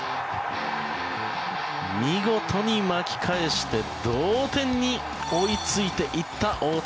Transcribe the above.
見事に巻き返して同点に追いついていった大谷。